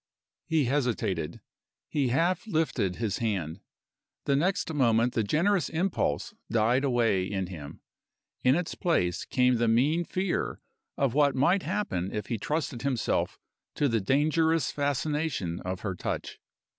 He hesitated. He half lifted his hand. The next moment the generous impulse died away in him. In its place came the mean fear of what might happen if he trusted himself to the dangerous fascination of her touch.